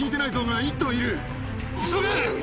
急げ！